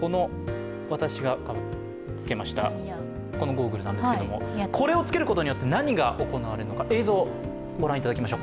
私が着けましたこのゴーグルなんですけれどもこれを着けることによって何が行われるのか、映像ご覧いただきましょう。